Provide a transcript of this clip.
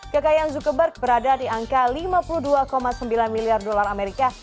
kekayaan zuckerberg berada di angka lima puluh dua sembilan miliar dolar amerika